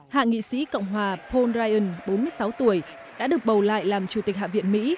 hạ nghị sĩ cộng hòa polyan bốn mươi sáu tuổi đã được bầu lại làm chủ tịch hạ viện mỹ